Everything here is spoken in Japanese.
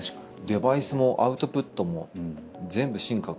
デバイスもアウトプットも全部進化。